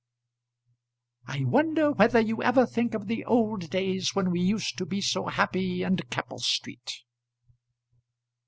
"I wonder whether you ever think of the old days when we used to be so happy in Keppel Street?"